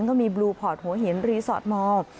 ก็มีบลูพอร์ตหัวหินรีสอร์ทมอร์